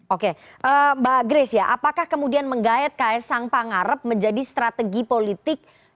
oke mbak gris ya apakah kemudian menggayat khaesang pangarep menjadi strategi politik di indonesia